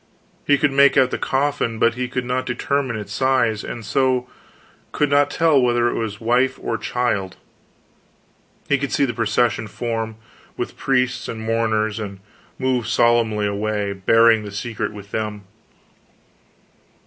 He could make out the coffin, but he could not determine its size, and so could not tell whether it was wife or child. He could see the procession form, with priests and mourners, and move solemnly away, bearing the secret with them.